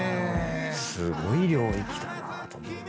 すごい領域だなと思って。